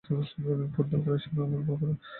Football খেলার সময় আমার বাবার আঙ্গুল ভেঙ্গে গিয়েছিল।